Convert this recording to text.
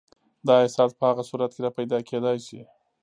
دا احساس په هغه صورت کې راپیدا کېدای شي.